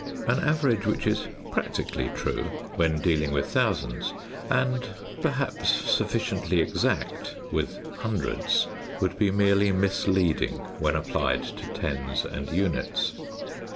An average which is practically true when dealing with thousands, and perhaps sufficiently exact with hundreds, would be merely misleading when applied to tens and units.